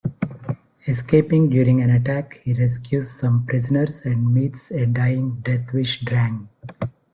Escaping during an attack, he rescues some prisoners and meets a dying Deathwish Drang.